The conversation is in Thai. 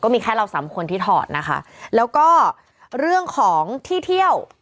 มีแค่เราสามคนที่ถอดนะคะแล้วก็เรื่องของที่เที่ยว